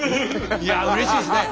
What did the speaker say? いやうれしいですね。